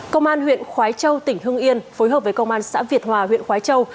công an huyện khói châu tỉnh hưng yên phối hợp với công an xã việt hòa huyện khói châu